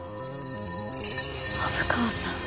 虻川さん。